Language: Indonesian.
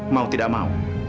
mau tidak mau